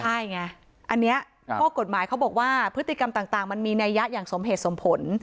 ใช่ไงอันนี้ข้อกฎหมายเขาบอกว่าพฤติกรรมต่างมันมีนัยยะอย่างสมเหตุสมผล